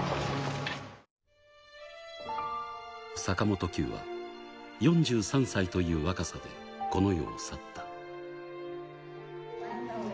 坂本九は４３歳という若さでこの世を去った。